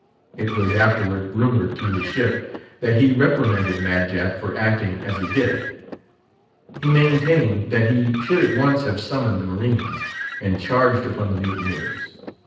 It was afterward rumoured through the ship that he reprimanded Mad Jack for acting as he did. He maintained that he should at once have summoned the marines, and charged upon the "mutineers."